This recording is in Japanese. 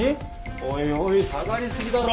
おいおい下がり過ぎだろ